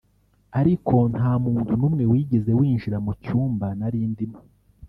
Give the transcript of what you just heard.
ariko nta muntu n’umwe wigeze winjira mu cyumba nari ndimo